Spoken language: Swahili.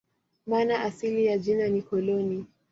Maana asili ya jina ni "koloni".